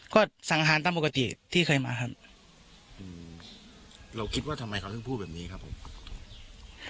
ก็สังหารตามปกติที่เคยมาครับอืมเราคิดว่าทำไมเขาถึงพูดแบบนี้ครับผม